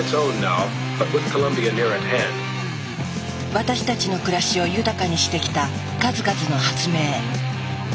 私たちの暮らしを豊かにしてきた数々の発明。